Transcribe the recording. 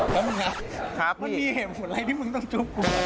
แล้วมึงครับมันมีเหตุผลอะไรที่มึงต้องจุ๊บกู